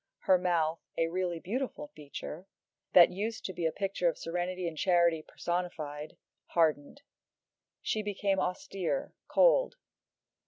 Her mouth, a really beautiful feature, that used to be a picture of serenity and charity personified, hardened. She became austere, cold.